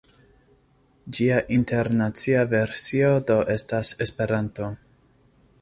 Ĝia internacia versio do estas Esperanto.